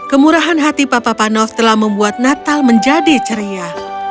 kemurahan hati papa panov telah membuat natal menjadi ceria